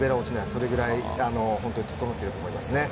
それぐらい本当に整っていると思いますね。